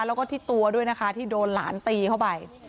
แล้วก็ที่ตัวด้วยนะคะที่โดนหลานตีเข้าไป